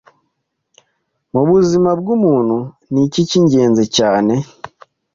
Mu buzima bw’umuntu n’iki cyingenzi cyane